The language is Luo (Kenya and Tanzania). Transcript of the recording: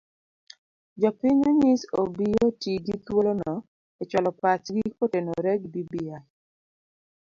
Jopiny onyis obi oti gi thuolono e chualo pachgi kotenore gi bbi